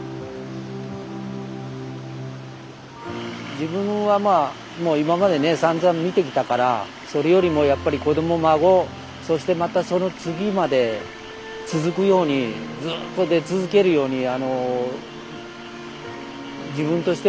自分はまあもう今までねさんざん見てきたからそれよりもやっぱり子ども孫そしてまたその次まで続くようにずっと出続けるようにあの自分としては願ってますわ。